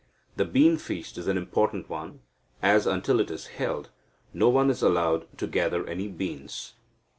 The bean feast is an important one, as, until it is held, no one is allowed to gather any beans.